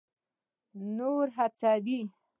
نور هڅوي.